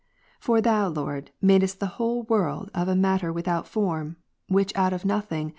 For Thou, Lord, madest the world of a matter without form, which out of nothing.